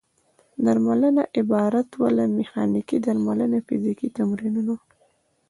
درملنه عبارت وه له: میخانیکي درملنه او فزیکي تمرینونه.